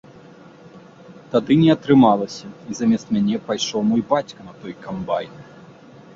Тады не атрымалася, і замест мяне пайшоў мой бацька на той камбайн.